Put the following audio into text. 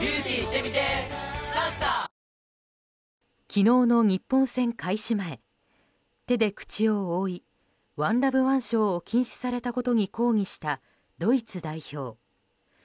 昨日の日本戦開始前手で口を覆いＯＮＥＬＯＶＥ腕章を禁止されたことに抗議したドイツ代表。